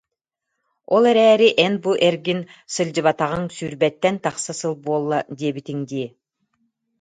Ол эрээри эн бу эргин сыл- дьыбатаҕыҥ сүүрбэттэн тахса сыл буолла диэбитиҥ дии